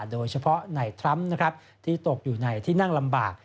โดยเฉพาะนายทรัมป์ที่ตกอยู่ในที่นั่งลำบาก